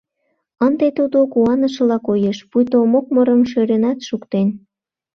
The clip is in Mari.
Ынде тудо куанышыла коеш, пуйто мокмырым шӧренат шуктен.